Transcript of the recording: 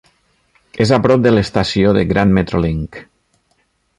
És a prop de l'estació de Grand MetroLink.